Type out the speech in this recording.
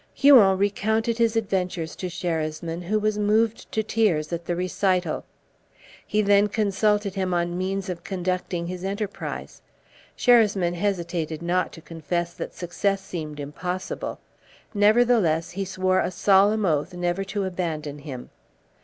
Huon recounted his adventures to Sherasmin, who was moved to tears at the recital. He then consulted him on means of conducting his enterprise. Sherasmin hesitated not to confess that success seemed impossible; nevertheless he swore a solemn oath never to abandon him.